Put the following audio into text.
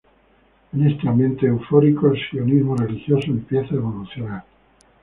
En este ambiente eufórico, el sionismo religioso empieza a evolucionar.